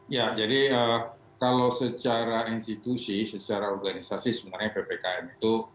ya jadi kalau secara institusi secara organisasi sebenarnya ppkm itu